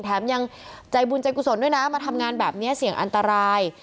แถมยังใจบุญใจกุศลด้วยนะมาทำงานแบบนี้เสี่ยงอันตราย